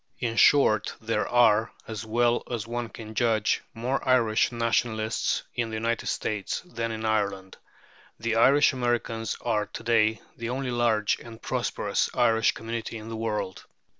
In short there are, as well as one can judge, more Irish nationalists in the United States than in Ireland. The Irish Americans are to day the only large and prosperous Irish community in the world.